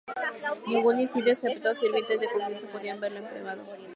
Ningún indio, excepto sirvientes de confianza, podían verlo en privado.